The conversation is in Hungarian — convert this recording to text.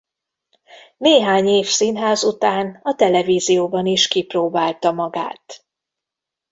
Néhány év színház után a televízióban is kipróbálta magát.